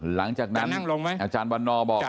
หลังจากนั้นอาจารย์วันนอร์บอก